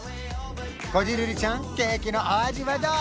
こじるりちゃんケーキのお味はどう？